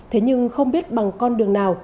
thế nhưng không biết bằng con đường nào